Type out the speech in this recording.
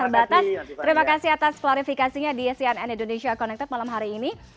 terbatas terima kasih atas klarifikasinya di cnn indonesia connected malam hari ini